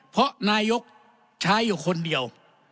เพราะนายกใช้อยู่คนเดียว